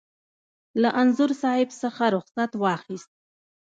له انځور صاحب څخه رخصت واخیست.